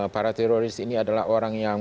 para teroris ini adalah orang yang